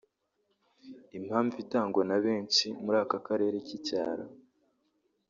Impamvu itangwa na benshi muri aka karere k’icyaro